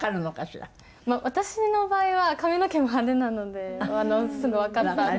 私の場合は髪の毛も派手なのですぐわかったって。